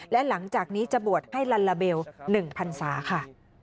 และหลังจากนี้จะบวชให้ลัลลาเบล๑พันศาค่ะ